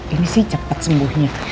ini sih cepat sembuhnya